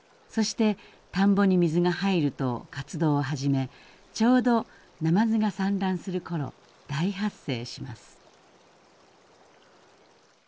そして田んぼに水が入ると活動を始めちょうどナマズが産卵するころ大発生します。